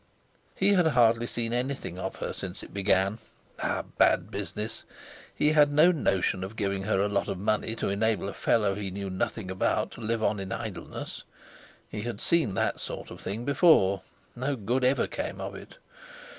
He had hardly seen anything of her since it began. A bad business! He had no notion of giving her a lot of money to enable a fellow he knew nothing about to live on in idleness. He had seen that sort of thing before; no good ever came of it.